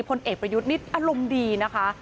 พลเอกประยุทธ์นี่อารมณ์ดีนะคะ